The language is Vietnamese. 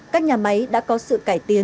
các nhà máy đã có sự cải tiến